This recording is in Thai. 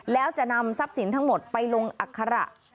แล้วจะนำทรัพย์สินทั้งหมดไปลงอัคระ